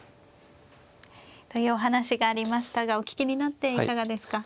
というお話がありましたがお聞きになっていかがですか。